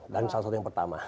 dan salah satu yang pertama